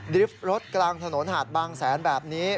ริฟท์รถกลางถนนหาดบางแสนแบบนี้